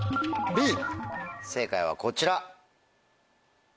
正解はこちら。